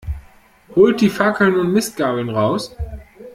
Holt die Fackeln und Mistgabeln raus!